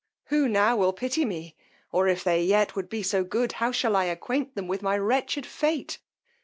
Who now will pity me! Or if they yet would be so good, how shall I acquaint them with my wretched fate!